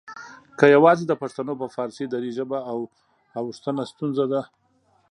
که یواځې د پښتنو په فارسي دري ژبې اوښتنه ستونزه ده؟